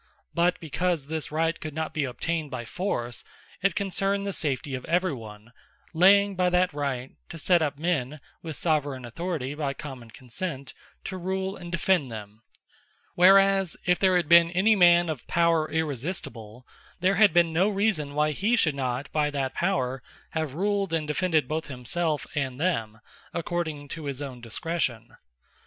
But because this Right could not be obtained by force, it concerned the safety of every one, laying by that Right, to set up men (with Soveraign Authority) by common consent, to rule and defend them: whereas if there had been any man of Power Irresistible; there had been no reason, why he should not by that Power have ruled, and defended both himselfe, and them, according to his own discretion.